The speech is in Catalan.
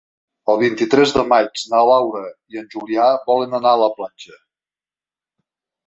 El vint-i-tres de maig na Laura i en Julià volen anar a la platja.